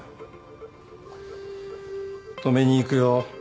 止めに行くよ